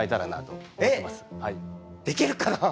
えっできるかな？